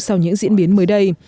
sau những diễn biến mới đây